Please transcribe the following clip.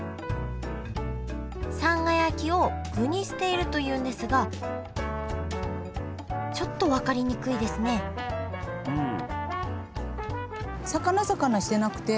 さんが焼きを具にしているというんですがちょっと分かりにくいですねうん。